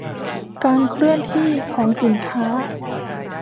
การเคลื่อนที่ของสินค้า